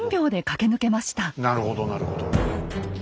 なるほどなるほど。